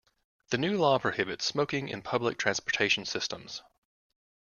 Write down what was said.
The new law prohibits smoking in public transportation systems.